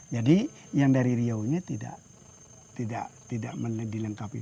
jadi yang dari riau nya tidak dilengkapi